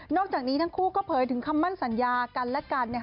จากนี้ทั้งคู่ก็เผยถึงคำมั่นสัญญากันและกัน